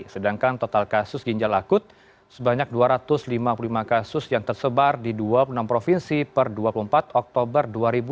sedangkan total kasus ginjal akut sebanyak dua ratus lima puluh lima kasus yang tersebar di dua puluh enam provinsi per dua puluh empat oktober dua ribu dua puluh